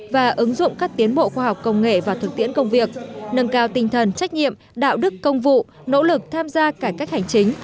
và ứng dụng các tiến bộ khoa học công nghệ và thực tiễn công việc nâng cao tinh thần trách nhiệm đạo đức công vụ nỗ lực tham gia cải cách hành chính